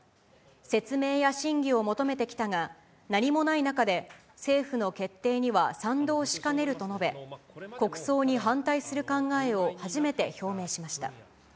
説明や審議を求めてきたが、何もない中で、政府の決定には賛同しかねると述べ、国葬に反対する考えを初めて表明しました。